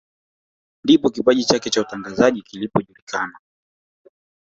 Ndipo kipaji chake cha utangazaji kilipojulikana